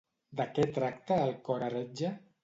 De què tracta El cor heretge?